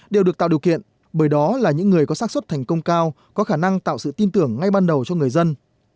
đều được tạo điều kiện bởi đó là những người có sắc xuất thành công cao có khả năng tạo sự tin tưởng ngay ban đầu cho người dân